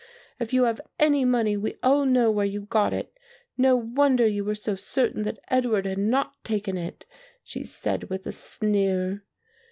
If you have any money we all know where you got it. No wonder you were so certain that Edward had not taken it,' she said with a sneer.